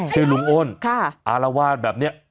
ชื่อลุงโอนอาลาวาสแบบเนี่ย